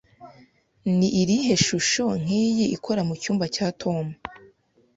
Ni irihe shusho nkiyi ikora mucyumba cya Tom?